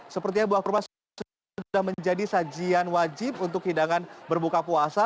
sepertinya buah kurma sudah menjadi sajian wajib untuk hidangan berbuka puasa